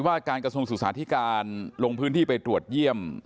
ว่าการกระทรวงศึกษาธิการลงพื้นที่ไปตรวจเยี่ยม